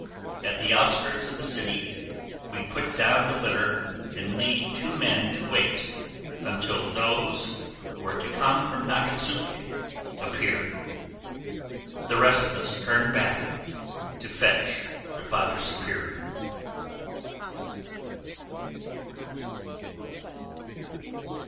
At the outskirts of the city, we put down the litter and leave two men to wait until those who are to come from Nagatsuke appear. The rest of us turn back to fetch the Father Superior.